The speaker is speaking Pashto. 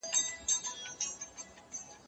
زه مخکې کار کړی و؟